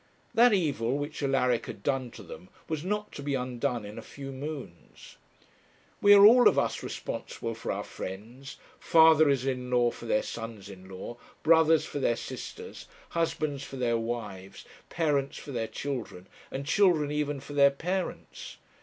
That evil which Alaric had done to them was not to be undone in a few moons. We are all of us responsible for our friends, fathers in law for their sons in law, brothers for their sisters, husbands for their wives, parents for their children, and children even for their parents.